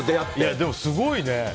でもすごいね。